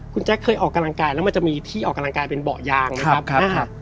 คุณแจ๊คเคยออกกำลังกายแล้วมันจะมีที่ออกกำลังกายเป็นเบาะยางนะครับ